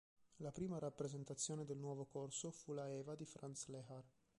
La prima rappresentazione del nuovo corso fu la "Eva" di Franz Lehár.